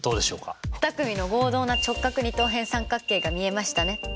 ２組の合同な直角二等辺三角形が見えましたね。